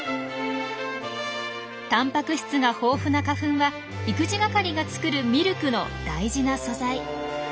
たんぱく質が豊富な花粉は育児係が作るミルクの大事な素材。